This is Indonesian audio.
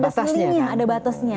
ada ceilingnya ada batasnya